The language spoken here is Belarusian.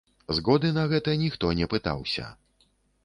Згоды на гэта ніхто не пытаўся.